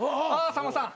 さんまさん